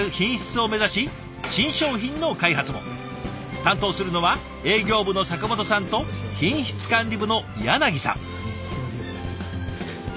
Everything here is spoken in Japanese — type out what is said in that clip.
担当するのは営業部の阪本さんと品質管理部のさん。